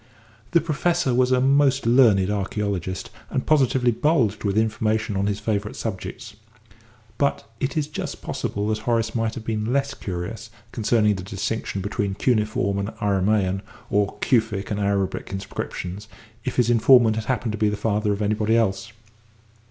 The Professor was a most learned archæologist, and positively bulged with information on his favourite subjects; but it is just possible that Horace might have been less curious concerning the distinction between Cuneiform and Aramæan or Kufic and Arabic inscriptions if his informant had happened to be the father of anybody else.